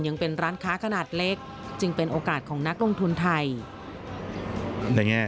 ยังเป็นร้านค้าขนาดเล็กจึงเป็นโอกาสของนักลงทุนไทย